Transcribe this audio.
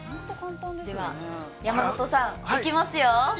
では、山里さんいきますよ。